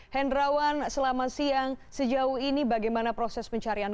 hendrawan selama siang sejauh ini bagaimana proses pencarian